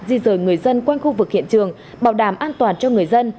di rời người dân quanh khu vực hiện trường bảo đảm an toàn cho người dân